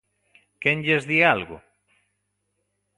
Quen lles di algo?